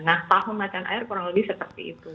nah tahun macan air kurang lebih seperti itu